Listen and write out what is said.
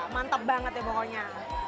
mantap banget ya pokoknya